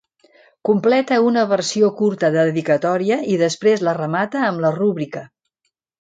Completa una versió curta de dedicatòria i després la remata amb la rúbrica.